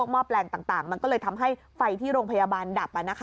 มอบแรงต่างเลยทำให้ไฟที่โรงพยาบาลดับ